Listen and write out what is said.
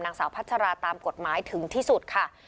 นางสาวพัชราตามกฎหมายถึงที่สุดค่ะ